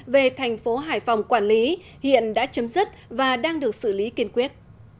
về thành phố hải phòng quản lý hiện đã chấm dứt và đang được xử lý kiên quyết